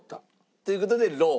という事でロー。